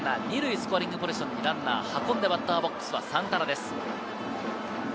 スコアリングポジションにランナーを運んで、バッターボックスはサンタナです。